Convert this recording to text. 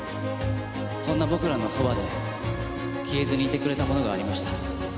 そんな僕らのそばで消えずにいてくれたものがありました。